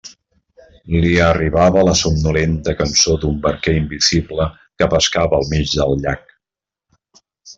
Li arribava la somnolenta cançó d'un barquer invisible que pescava al mig del llac.